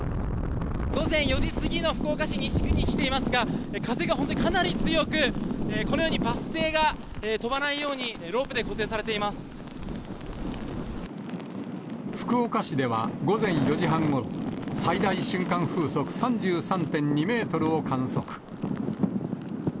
午前４時過ぎの福岡市西区に来ていますが、風が本当にかなり強く、このようにバス停が飛ばないように、福岡市では午前４時半ごろ、最大瞬間風速３３．２メートルを観測。